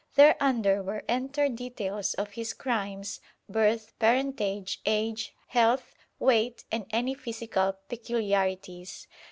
Thereunder were entered details of his crimes, birth, parentage, age, health, weight, and any physical peculiarities.